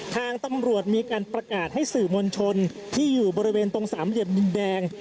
ทางตำรวจมีการประกาศให้สื่อมวลชนที่อยู่บริเวณตรงสามเหลี่ยมดินแดง